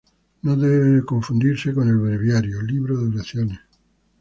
No debe ser confundido con el breviario, libro de oraciones.